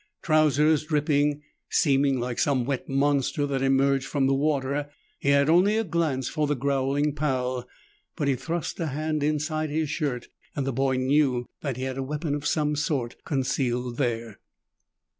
Trousers dripping, seeming like some wet monster that emerged from the water, he had only a glance for the growling Pal. But he thrust a hand inside his shirt and the boy knew that he had a weapon of some sort concealed there.